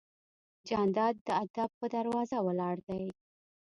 جانداد د ادب په دروازه ولاړ دی.